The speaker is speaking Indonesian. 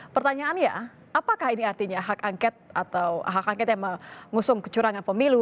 pertanyaannya apakah ini artinya hak angket atau hak angket yang mengusung kecurangan pemilu